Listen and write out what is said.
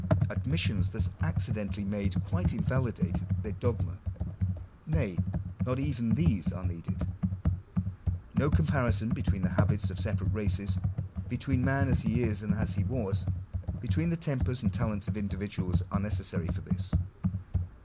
Admissions thus accidentally made quite invalidate their dogma. Nay, not even these are needed. No comparison between the habits of separate races — between man as he is and as he was — between the tempers and talents of individuals — are neces sary for this.